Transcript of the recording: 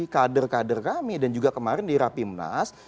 kader kader kami dan juga kemarin di rapimnas